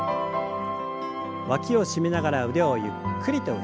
わきを締めながら腕をゆっくりと後ろに。